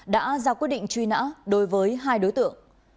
đã ra quyết định truy nã đối với hai đối tượng